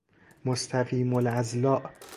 مستقیم الاضلاع